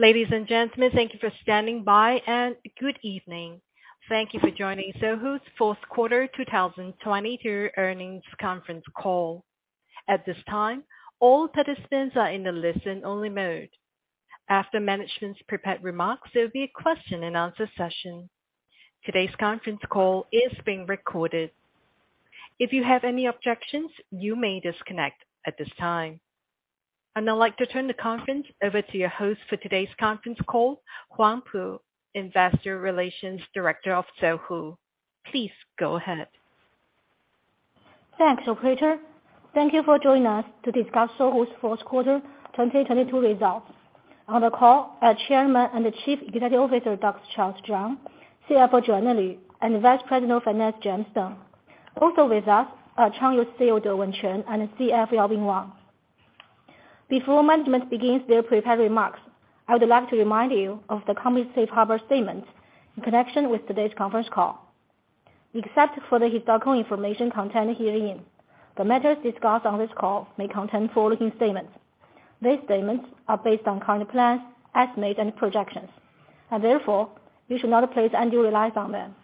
Ladies and gentlemen, thank you for standing by and good evening. Thank you for joining Sohu's fourth quarter 2022 earnings conference call. At this time, all participants are in a listen-only mode. After management's prepared remarks, there'll be a question and answer session. Today's conference call is being recorded. If you have any objections, you may disconnect at this time. I'd like to turn the conference over to your host for today's conference call, Huang Pu, Investor Relations Director of Sohu. Please go ahead. Thanks, operator. Thank you for joining us to discuss Sohu's fourth quarter 2022 results. On the call are Chairman and Chief Executive Officer, Dr. Charles Zhang, CFO, Joanna Lv, and Vice President of Finance, James Deng. Also with us are Changyou CEO, Dewen Chen, and CF Yaobin Wang. Before management begins their prepared remarks, I would like to remind you of the company's safe harbor statement in connection with today's conference call. Except for the historical information contained herein, the matters discussed on this call may contain forward-looking statements. These statements are based on current plans, estimates, and projections. Therefore, you should not place undue reliance on them.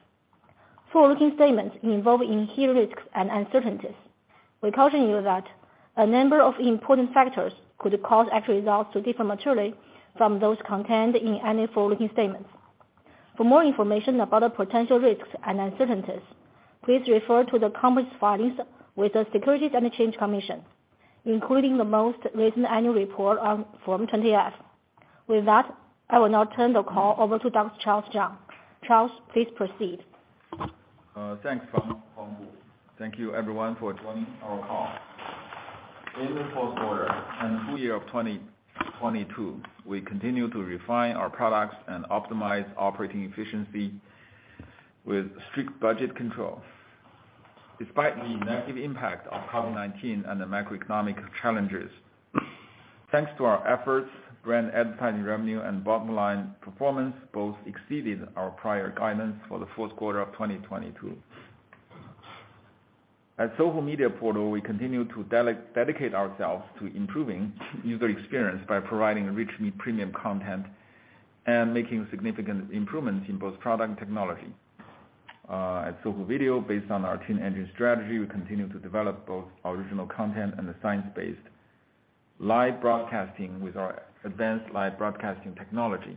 Forward-looking statements involve inherent risks and uncertainties. We caution you that a number of important factors could cause actual results to differ materially from those contained in any forward-looking statements. For more information about the potential risks and uncertainties, please refer to the company's filings with the Securities and Exchange Commission, including the most recent annual report on Form 20-F. With that, I will now turn the call over to Dr. Charles Zhang. Charles, please proceed. Thanks, Huang Pu. Thank you everyone for joining our call. In the fourth quarter and full year of 2022, we continued to refine our products and optimize operating efficiency with strict budget control. Despite the negative impact of COVID-19 and the macroeconomic challenges, thanks to our efforts, brand advertising revenue and bottom-line performance both exceeded our prior guidance for the fourth quarter of 2022. At Sohu Media Portal, we continue to dedicate ourselves to improving user experience by providing rich premium content and making significant improvements in both product and technology. At Sohu Video, based on our Twin Engine strategy, we continue to develop both original content and the science-based live broadcasting with our advanced live broadcasting technology.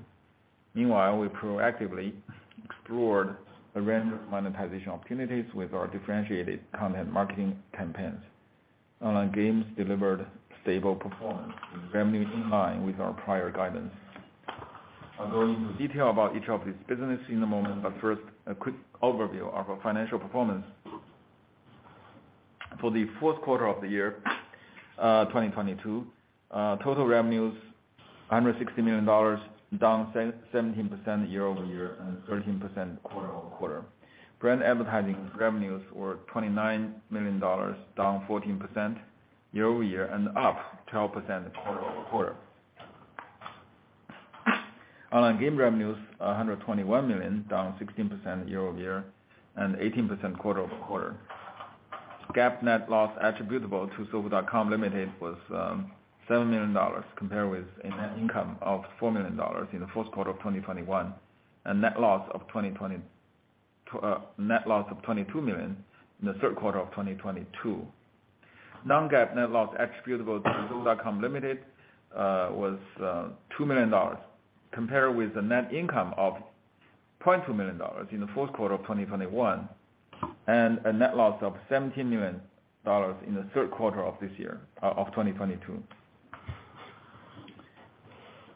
Meanwhile, we proactively explored a range of monetization opportunities with our differentiated content marketing campaigns. Online Games delivered stable performance and revenue in line with our prior guidance. I'll go into detail about each of these businesses in a moment, but first, a quick overview of our financial performance. For the fourth quarter of 2022, total revenues, $160 million, down 17% year-over-year, and 13% quarter-over-quarter. Brand advertising revenues were $29 million, down 14% year-over-year and up 12% quarter-over-quarter. Online game revenues, $121 million, down 16% year-over-year and 18% quarter-over-quarter. GAAP net loss attributable to Sohu.com Limited was $7 million, compared with a net income of $4 million in the fourth quarter of 2021, and net loss of 2020. To net loss of $22 million in the third quarter of 2022. Non-GAAP net loss attributable to Sohu.com Limited was $2 million, compared with the net income of $0.2 million in the fourth quarter of 2021, and a net loss of $17 million in the third quarter of this year, of 2022.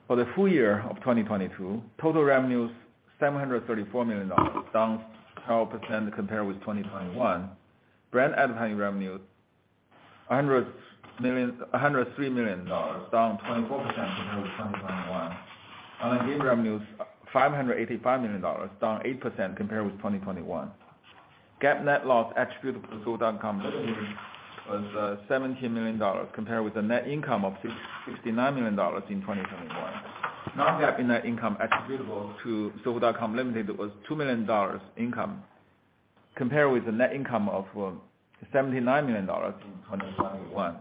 For the full year of 2022, total revenues, $734 million, down 12% compared with 2021. Brand advertising revenues, $103 million, down 24% compared with 2021. Online game revenues, $585 million, down 8% compared with 2021. GAAP net loss attributable to Sohu.com Limited was $17 million compared with a net income of $669 million in 2021. Non-GAAP net income attributable to Sohu.com Limited was $2 million income, compared with a net income of $79 million in 2021.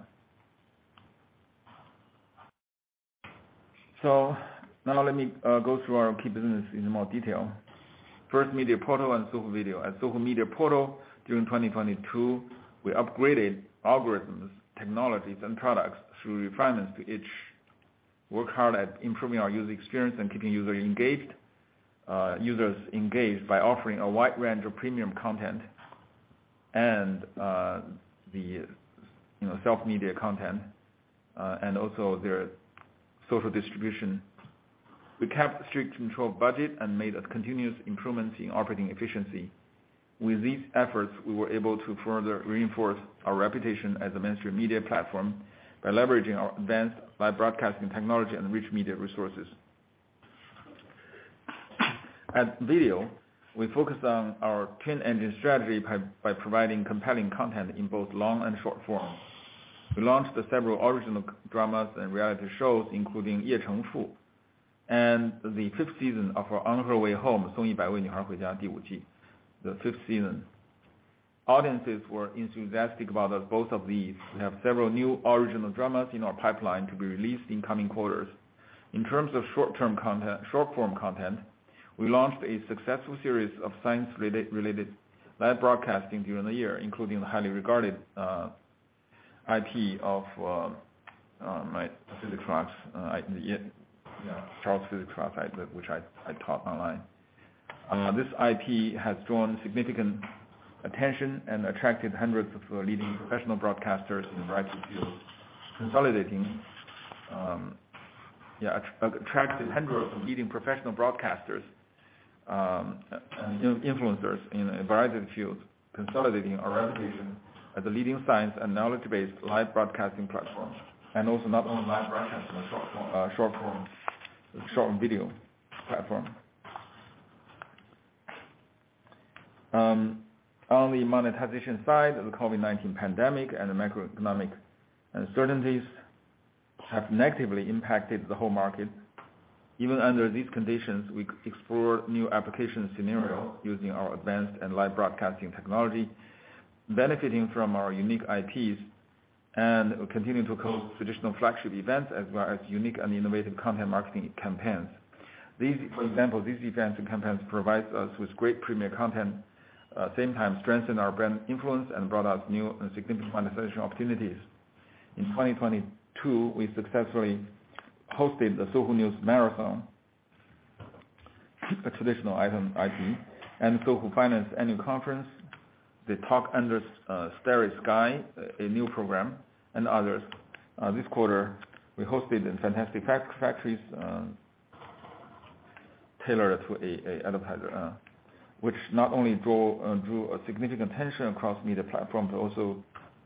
Now let me go through our key business in more detail. First, Media Portal and Sohu Video. At Sohu Media Portal, during 2022, we upgraded algorithms, technologies, and products through refinements to each work hard at improving our user experience and keeping users engaged by offering a wide range of premium content and, you know, self-media content and also their social distribution. We kept strict control budget and made a continuous improvement in operating efficiency. With these efforts, we were able to further reinforce our reputation as a mainstream media platform by leveraging our advanced live broadcasting technology and rich media resources. At Sohu Video, we focused on our Twin Engine strategy by providing compelling content in both long and short form. We launched several original dramas and reality shows, including Ye Cheng Fu and the fifth season of On Her Way Home, Song Yi Bai Wei Nu Hai Hui Jia Di Wu Ji, the fifth season. Audiences were enthusiastic about both of these. We have several new original dramas in our pipeline to be released in coming quarters. In terms of short-form content, we launched a successful series of science-related live broadcasting during the year, including the highly regarded IP of Charles's Physics Class, which I taught online. This IP has drawn significant attention and attracted hundreds of leading professional broadcasters in a variety of fields, consolidating. Attracted hundreds of leading professional broadcasters and influencers in a variety of fields, consolidating our reputation as a leading science and knowledge-based live broadcasting platform, and also not only live broadcasting but short-form, short-video platform. On the monetization side of the COVID-19 pandemic and the macroeconomic uncertainties have negatively impacted the whole market. Even under these conditions, we explored new application scenario using our advanced and live broadcasting technology, benefiting from our unique IPs, and continuing to host traditional flagship events, as well as unique and innovative content marketing campaigns. For example, these events and campaigns provides us with great premier content, same time strengthen our brand influence and brought us new and significant monetization opportunities. In 2022, we successfully hosted the Sohu News Marathon, a traditional item IP, and Sohu Finance Annual Forum, the Talk Under the Starry Sky, a new program, and others. This quarter, we hosted the Fantastic Fact-Factories, tailored to a advertiser, which not only drew a significant attention across media platforms, but also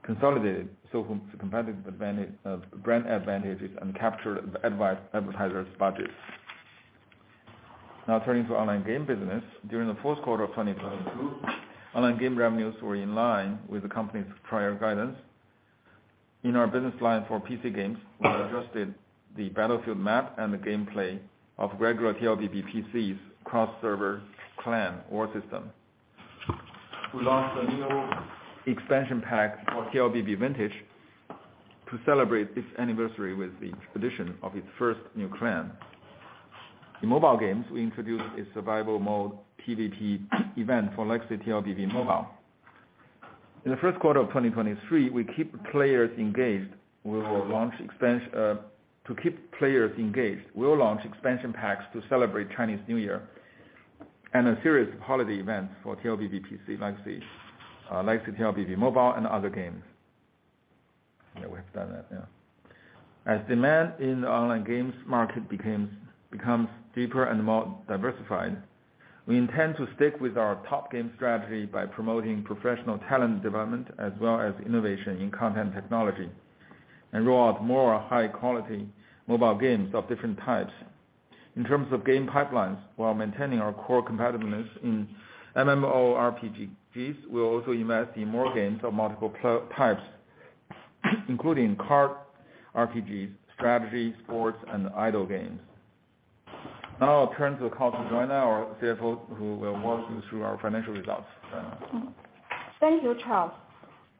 consolidated Sohu's competitive advantage, brand advantages and captured advertisers budgets. Now turning to Online Game business. During the fourth quarter of 2022, online game revenues were in line with the company's prior guidance. In our business line for PC games, we adjusted the battlefield map and the gameplay of regular TLBB PC's cross-server clan war system. We launched a new expansion pack for TLBB Vintage to celebrate its anniversary with the introduction of its first new clan. In Mobile Games, we introduced a survival mode PVP event for Legacy TLBB Mobile. In the first quarter of 2023, we keep players engaged. We will launch expansion packs to celebrate Chinese New Year and a series of holiday events for TLBB PC Legacy TLBB Mobile and other games. Yeah, we have done that, yeah. As demand in the Online Games market becomes deeper and more diversified, we intend to stick with our top game strategy by promoting professional talent development as well as innovation in content technology, and roll out more high quality Mobile Games of different types. In terms of game pipelines, while maintaining our core competitiveness in MMORPGs, we'll also invest in more games of multiple pla-types, including card, RPGs, strategy, sports, and idle games. I'll turn to the call to Joanna, our CFO, who will walk you through our financial results. Joanna. Thank you, Charles.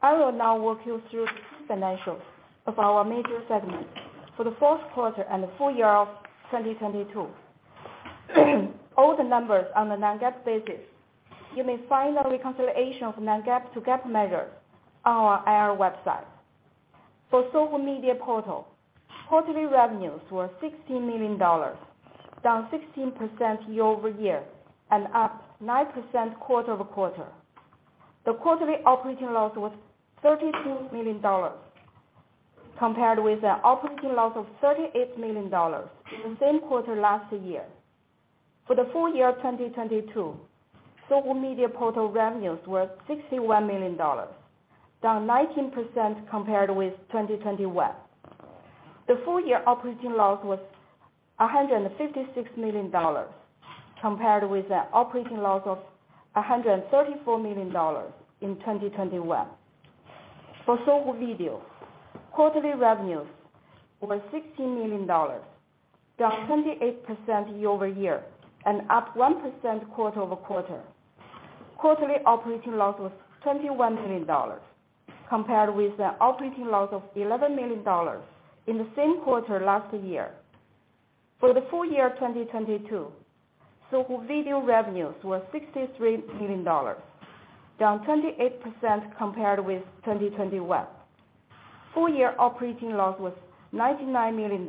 I will now walk you through the key financials of our major segments for the fourth quarter and the full year of 2022. All the numbers are on a non-GAAP basis. You may find a reconciliation of non-GAAP to GAAP measures on our IR website. For Sohu Media Portal, quarterly revenues were $60 million, down 16% year-over-year and up 9% quarter-over-quarter. The quarterly operating loss was $32 million compared with an operating loss of $38 million in the same quarter last year. For the full year of 2022, Sohu Media Portal revenues were $61 million, down 19% compared with 2021. The full year operating loss was $156 million compared with an operating loss of $134 million in 2021. For Sohu Video, quarterly revenues were $60 million, down 28% year-over-year and up 1% quarter-over-quarter. Quarterly operating loss was $21 million compared with an operating loss of $11 million in the same quarter last year. For the full year 2022, Sohu Video revenues were $63 million, down 28% compared with 2021. Full year operating loss was $99 million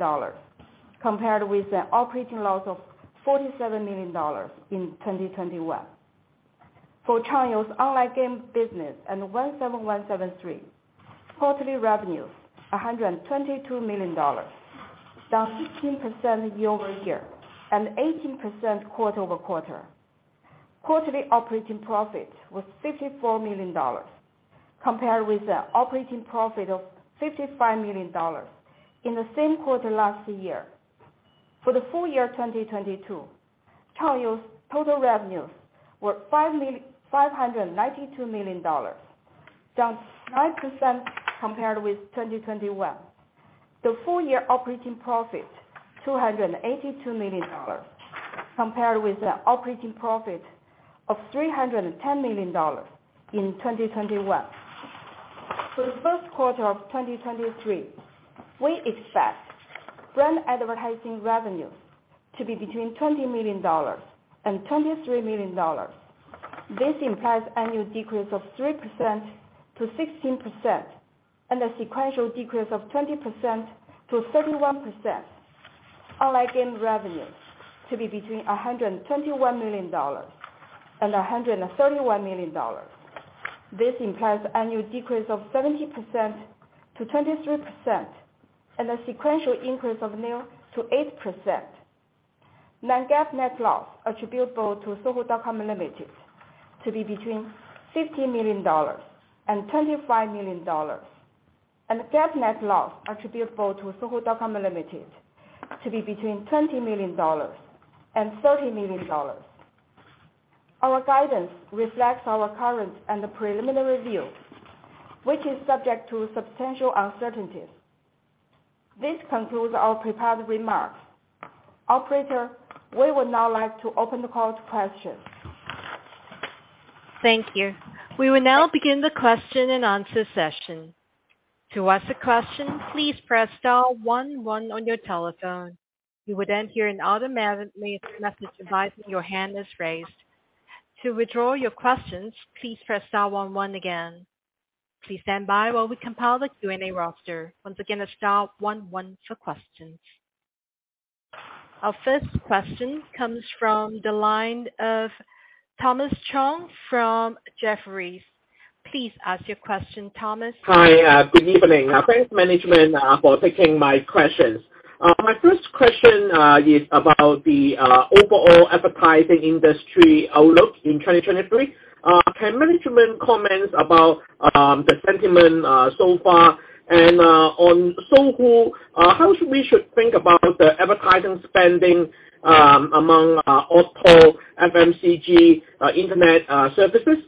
compared with an operating loss of $47 million in 2021. For Changyou's Online Game business and 17173.com, quarterly revenues, $122 million, down 15% year-over-year and 18% quarter-over-quarter. Quarterly operating profit was $54 million compared with an operating profit of $55 million in the same quarter last year. For the full year 2022, Changyou's total revenues were $592 million, down 9% compared with 2021. The full year operating profit $282 million compared with the operating profit of $310 million in 2021. For the first quarter of 2023, we expect brand advertising revenues to be between $20 million and $23 million. This implies annual decrease of 3%-16%. A sequential decrease of 20%-31%. Online game revenues to be between $121 million and $131 million. This implies annual decrease of 70%-23%. A sequential increase of nil to 8%. Non-GAAP net loss attributable to Sohu.com Limited to be between $15 million and $25 million. GAAP net loss attributable to Sohu.com Limited to be between $20 million and $30 million. Our guidance reflects our current and preliminary view, which is subject to substantial uncertainties. This concludes our prepared remarks. Operator, we would now like to open the call to questions. Thank you. We will now begin the question and answer session. To ask a question, please press star one one on your telephone. You would then hear an automatically message advising your hand is raised. To withdraw your questions, please press star one one again. Please stand by while we compile the Q&A roster. Once again that's star one one for questions. Our first question comes from the line of Thomas Chong from Jefferies. Please ask your question, Thomas. Hi. Good evening. Thanks management for taking my questions. My first question is about the overall advertising industry outlook in 2023. Can management comment about the sentiment so far? On Sohu, how should we think about the advertising spending among auto, FMCG, internet, services?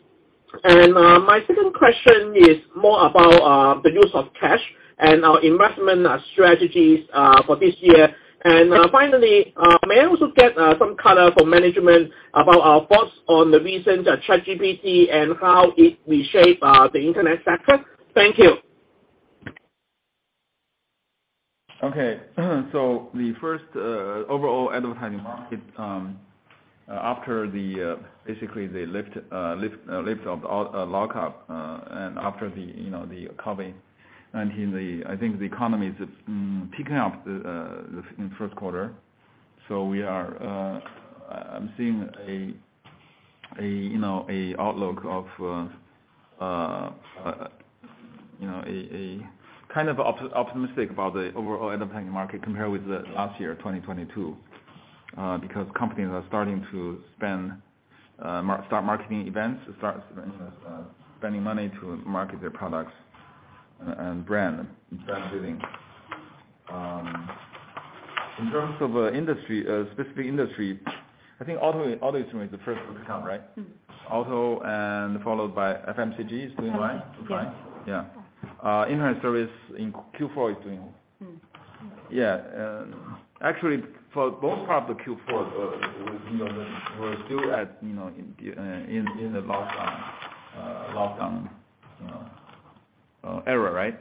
My second question is more about the use of cash and our investment strategies for this year. Finally, may I also get some color from management about our thoughts on the recent ChatGPT and how it will shape the internet sector? Thank you. Okay. The first overall advertising market after the basically the lift of lockup and after the, you know, the COVID-19, the. I think the economy is picking up the, in first quarter. We are I'm seeing a, you know, a outlook of, you know, a kind of optimistic about the overall advertising market compared with the last year 2022. Because companies are starting to spend start marketing events, start, you know, spending money to market their products and brand building. In terms of industry, specific industry, I think auto is the first to count, right? Mm-hmm. Auto followed by FMCG is doing right? Yes. Okay. Yeah. internet service in Q4 is doing-. Mm-hmm. Yeah. actually, for most part of the Q4, we, you know, we're still at, you know, in the lockdown era, right?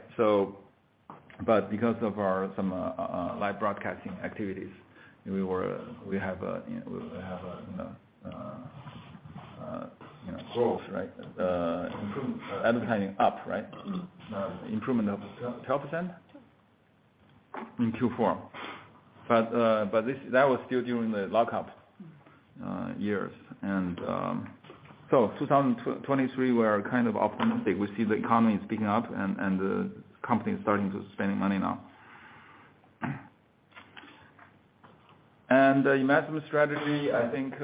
But because of our, some live broadcasting activities, we have, you know, growth, right? Advertising up, right? Mm-hmm. Improvement of 12%? Sure. In Q4. That was still during the lockup years. 2023, we're kind of optimistic. We see the economy is picking up and the company is starting to spending money now. Investment strategy, I think,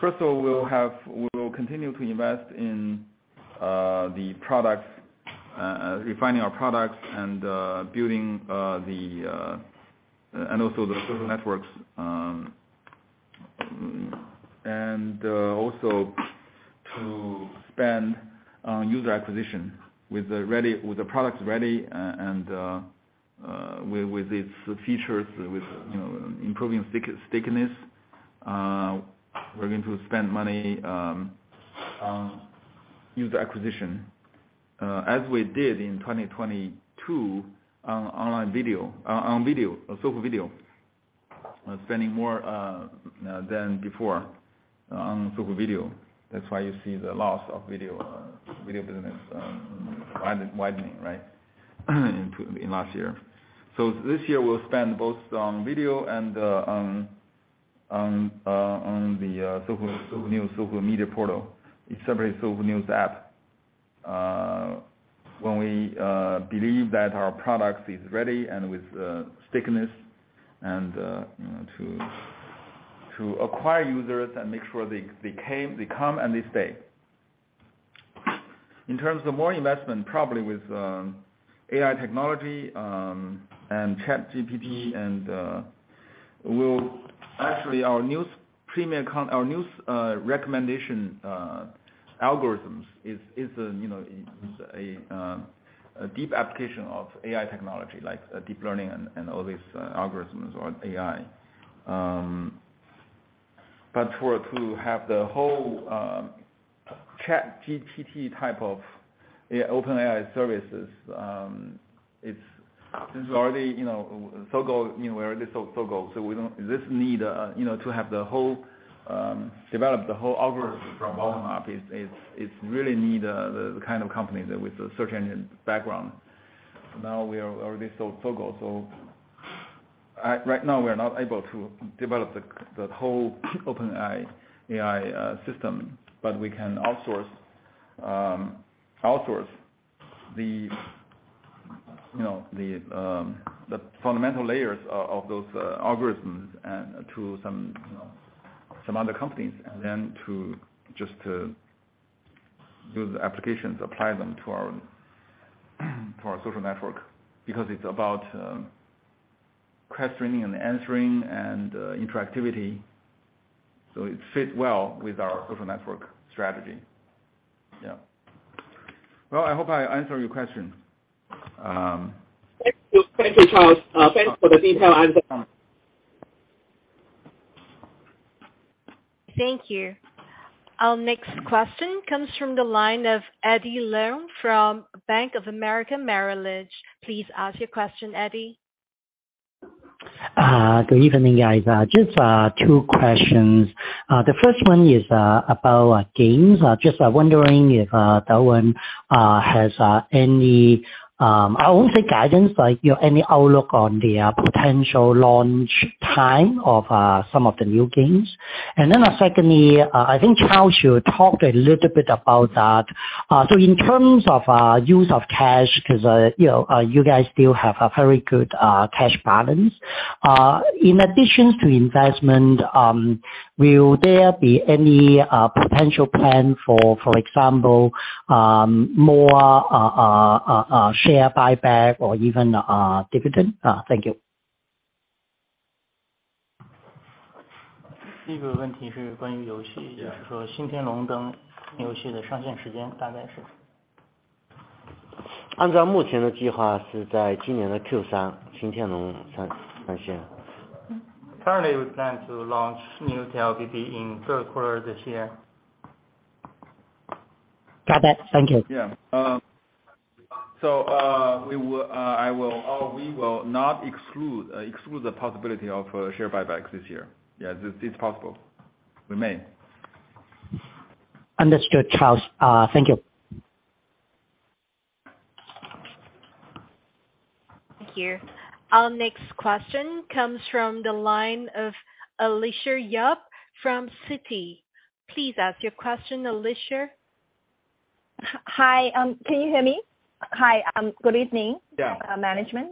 first of all, we'll continue to invest in the products, refining our products and building the and also the social networks. Also to spend on user acquisition with the ready, with the products ready, and with its features, with, you know, improving stickiness. We're going to spend money on user acquisition. As we did in 2022 on online video, on video, on Sohu Video. Spending more than before on Sohu Video. That's why you see the loss of video business widening, right. In last year. This year, we'll spend both on video and on the Sohu News, Sohu Media Portal, a separate Sohu News app. When we believe that our products is ready and with stickiness and, you know, to acquire users and make sure they come and they stay. In terms of more investment, probably with AI technology, and ChatGPT actually our news premium account, our news recommendation algorithms is a, you know, is a deep application of AI technology like deep learning and all these algorithms or AI. For to have the whole ChatGPT type of OpenAI services, it's already, you know, Sogou, you know, we already sold Sogou, so we don't this need, you know, to have the whole develop the whole algorithm from bottom up is really need the kind of company that with a search engine background. Now we are already sold Sogou. Right now we are not able to develop the whole OpenAI AI system. We can outsource, you know, the fundamental layers of those algorithms and to some, you know, some other companies. To just to build the applications, apply them to our social network, because it's about questioning and answering and interactivity, so it fit well with our social network strategy. Yeah. Well, I hope I answer your question. Thank you. Thank you, Charles. Thanks for the detailed answer. Thank you. Our next question comes from the line of Eddie Leung from Bank of America Merrill Lynch. Please ask your question, Eddie. Good evening, guys. Just two questions. The first one is about games. Just wondering if that one has any, I won't say guidance, like, you know, any outlook on the potential launch time of some of the new games. Secondly, I think Charles, you talked a little bit about that. In terms of use of cash, 'cause, you know, you guys still have a very good cash balance. In addition to investment, will there be any potential plan, for example, more share buyback or even dividend? Thank you. Currently, we plan to launch new TLBB in third quarter this year. Got it. Thank you. Yeah. I will or we will not exclude the possibility of share buybacks this year. Yeah. This is possible. We may. Understood, Charles. Thank you. Thank you. Our next question comes from the line of Alicia Yap from Citi. Please ask your question, Alicia. Hi. Can you hear me? Hi. Yeah. Good evening management.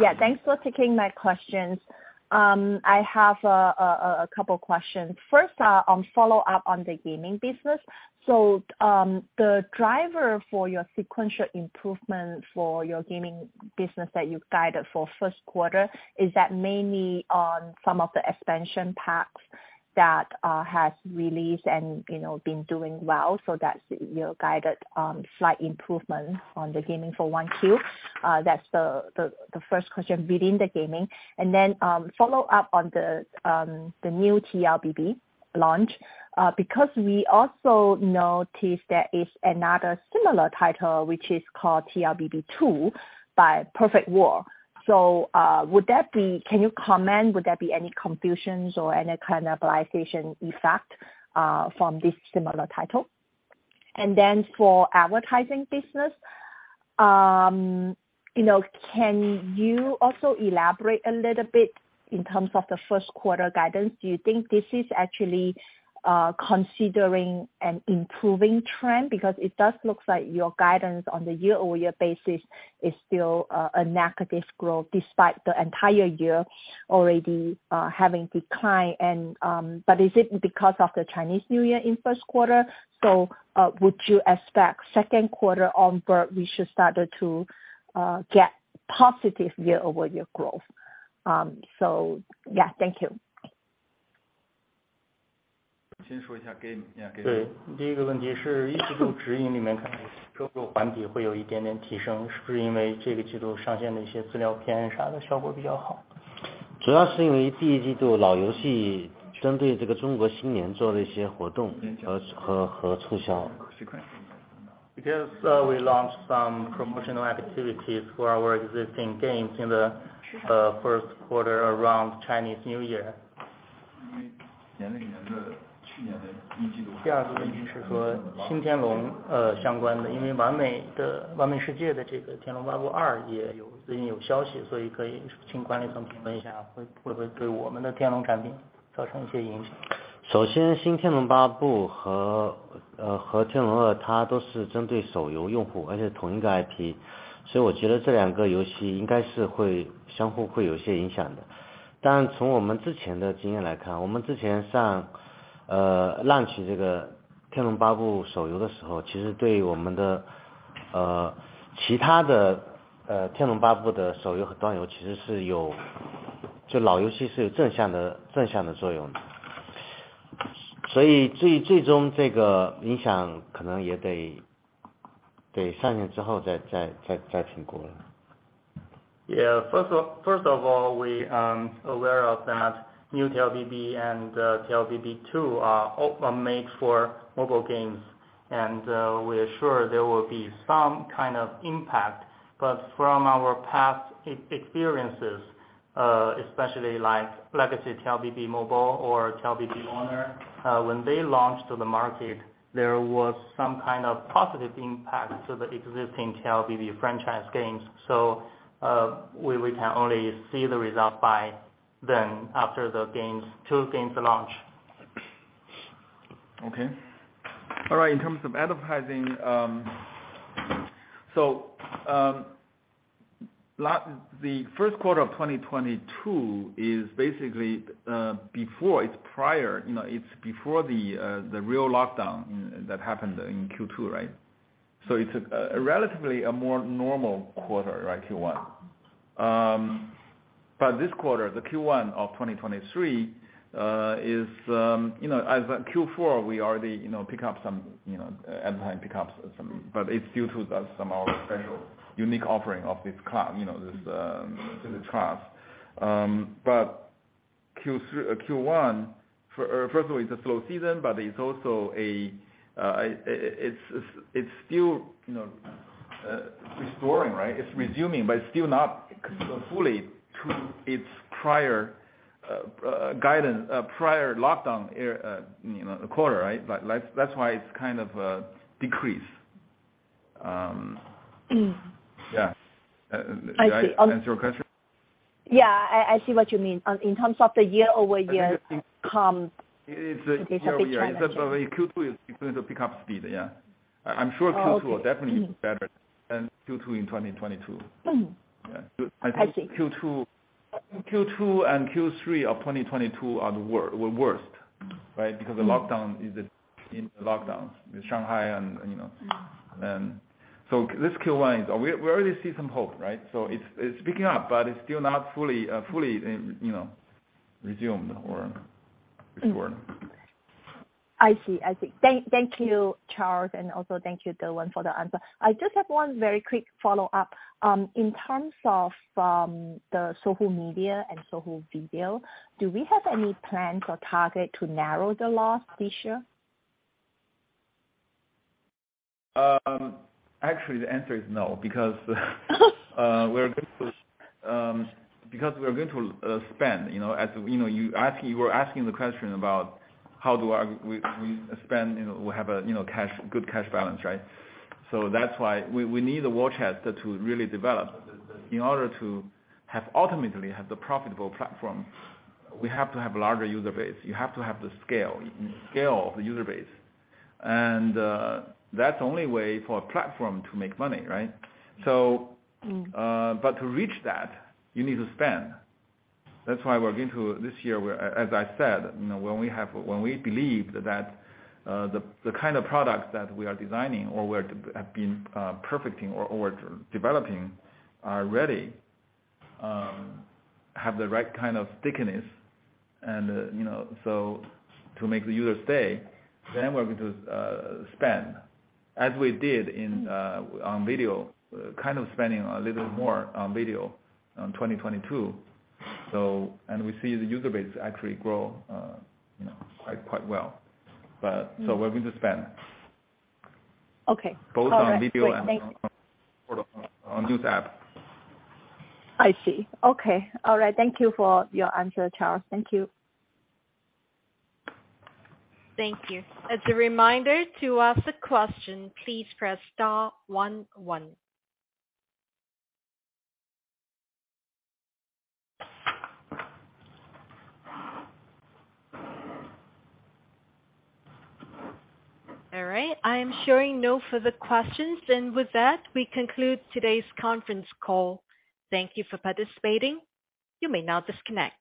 Yeah, thanks for taking my questions. I have a couple of questions. First, on follow-up on the gaming business. The driver for your sequential improvement for your gaming business that you've guided for first quarter, is that mainly on some of the expansion packs that has released and, you know, been doing well? That's, you know, guided slight improvement on the gaming for 1Q. That's the first question within the gaming. Follow up on the new TLBB launch. Because we also noticed there is another similar title, which is called TLBB 2 by Perfect World. Can you comment, would there be any confusions or any cannibalization effect from this similar title? For advertising business, you know, can you also elaborate a little bit in terms of the first quarter guidance? Do you think this is actually considering an improving trend? It does look like your guidance on the year-over-year basis is still a negative growth, despite the entire year already having declined and... Is it because of the Chinese New Year in first quarter? Would you expect second quarter onward, we should start to get positive year-over-year growth? Yeah. Thank you. We launched some promotional activities for our existing games in the first quarter around Chinese New Year. Other than Tian Long Ba Bu's 手游 and 端 游, actually this old game does have a positive effect. In the end, this influence may also have to be evaluated after it's launched. Yeah. First of all, we aware of that new TLBB and TLBB2 are made for Mobile Games. We are sure there will be some kind of impact. From our past experiences, especially like Legacy TLBB Mobile or TLBB Honor, when they launched to the market, there was some kind of positive impact to the existing TLBB franchise games. We can only see the result by then after the games, two games launch. Okay. All right, in terms of advertising, the first quarter of 2022 is basically, before, it's prior, you know, it's before the real lockdown that happened in Q2, right? It's a relatively a more normal quarter, right, Q1. This quarter, the Q1 of 2023, is, you know, as at Q4, we already, you know, pick up some, you know, advertising pick up some. It's due to that some of our special unique offering of this, you know, this, to the class. Q3 or Q1, or first of all, it's a slow season, but it's also a, it's still, you know, restoring, right? It's resuming, but it's still not fully to its prior, guidance, prior lockdown, you know, quarter, right? Like, that's why it's kind of decreased. Yeah. I see. Did I answer your question? Yeah. I see what you mean. In terms of the year-over-year. It's, yeah. It's a big challenge, yeah. Q2 is going to pick up speed. Yeah. I'm sure- Oh, okay. Q2 will definitely be better than Q2 in 2022. Mm. Yeah. I think- I see. Q2 and Q3 of 2022 were worst, right? Because the lockdowns in Shanghai and, you know. Mm. This Q1 is, we already see some hope, right? It's, it's picking up, but it's still not fully, you know, resumed or restored. I see. I see. Thank you, Charles. Also thank you, Dylan, for the answer. I just have one very quick follow-up. In terms of the Sohu Media and Sohu Video, do we have any plans or target to narrow the loss this year? Actually, the answer is no, because we're going to spend, you know. As you know, you were asking the question about how do we spend, you know, we have a, you know, cash, good cash balance, right? That's why we need the war chest to really develop. In order to have ultimately have the profitable platform, we have to have larger user base. You have to have the scale of the user base. That's the only way for a platform to make money, right? Mm. To reach that, you need to spend. That's why we're going to this year where, as I said, you know, when we believe that the kind of products that we are designing or have been perfecting or developing are ready, have the right kind of stickiness and, you know, to make the user stay, then we're going to spend as we did in on Video, kind of spending a little more on Video, 2022. We see the user base actually grow, you know, quite well. We're going to spend. Okay. All right. Both on Video. Great. Thank you. On news app. I see. Okay. All right. Thank you for your answer, Charles. Thank you. Thank you. As a reminder, to ask a question, please press star one one. All right. I am showing no further questions. With that, we conclude today's conference call. Thank you for participating. You may now disconnect.